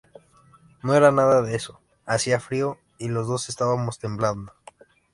No era nada de eso; hacía frío y los dos estábamos temblando.